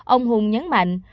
ông hùng nhấn mạnh